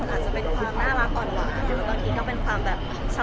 ใบตัวอาจจะเป็นความน่ารักอ่อนหวานตัวที่ก็เป็นความแบบ